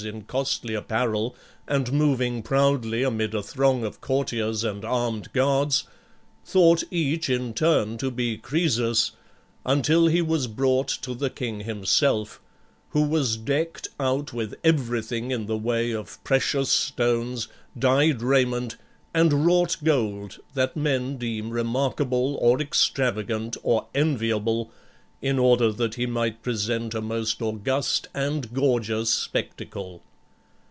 2 5 costly apparel and moving proudly amid a throng of couriers and armed guards, thought each in turn to be Croesus, until he was brought to the king him self, who was decked out with everything in the way of precious stones, dyed raiment, and wrought gold that men deem remarkable, or extravagant, or enviable, in order that he might present a most august and gorgeous spectacle.